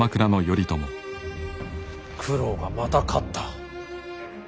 九郎がまた勝った。